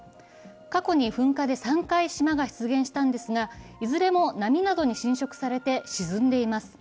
過去に噴火で３回島が出現したんですが、いずれも波などに侵食されて沈んでいます。